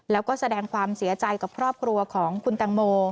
แล้วก็แสดงความเสียใจกับครอบครัวของคุณตังโม